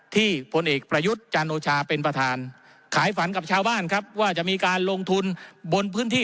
พลเอกประยุทธ์จันโอชาเป็นประธานขายฝันกับชาวบ้านครับว่าจะมีการลงทุนบนพื้นที่